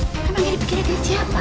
kan makanya bikin aja dia siapa